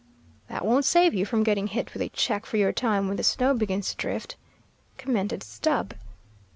"That won't save you from getting hit with a cheque for your time when the snow begins to drift," commented Stubb.